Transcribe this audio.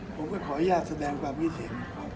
ผมก็ขออนุญาตแสดงกว่าวิเทียม